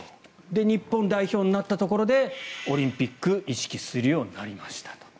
日本代表になったところでオリンピックを意識するようになりましたと。